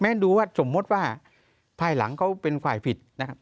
ดูว่าสมมุติว่าภายหลังเขาเป็นฝ่ายผิดนะครับ